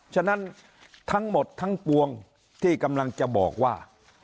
ฉะนั้นทั้งหมดทั้งปวงที่กำลังจะบอกว่า